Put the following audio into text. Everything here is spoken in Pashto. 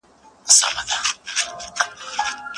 موږ بايد مسؤليت ومنو.